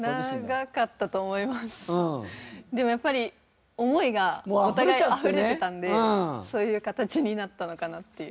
でもやっぱり思いがお互いあふれてたんでそういう形になったのかなっていう。